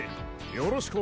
よろしこ！